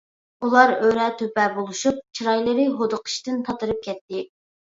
ئۇلار ئۆرە-تۆپە بولۇشۇپ، چىرايلىرى ھودۇقۇشتىن تاتىرىپ كەتتى.